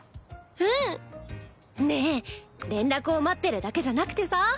うん。ねえ連絡を待ってるだけじゃなくてさ